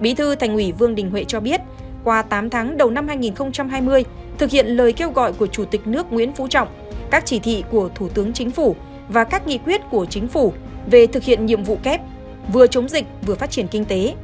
bí thư thành ủy vương đình huệ cho biết qua tám tháng đầu năm hai nghìn hai mươi thực hiện lời kêu gọi của chủ tịch nước nguyễn phú trọng các chỉ thị của thủ tướng chính phủ và các nghị quyết của chính phủ về thực hiện nhiệm vụ kép vừa chống dịch vừa phát triển kinh tế